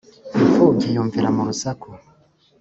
Impfubyi yunvira mu rusaku.